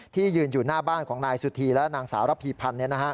ยืนอยู่หน้าบ้านของนายสุธีและนางสาวระพีพันธ์